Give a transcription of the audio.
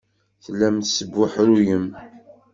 Tellam tesbuḥruyem.